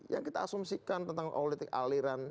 yang kita asumsikan tentang politik aliran